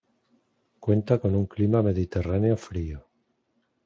Cuenta con un clima mediterráneo frío.